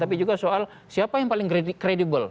tapi juga soal siapa yang paling kredibel